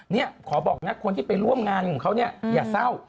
นี่ขอบอกนะคนที่ไปร่วมงานของเขาเนี่ยอย่าเศร้า